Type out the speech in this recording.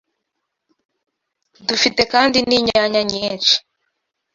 Dufite kandi n’inyanya nyinshi